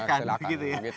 silakan begitu pak